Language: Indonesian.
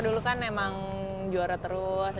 dulu kan emang juara terus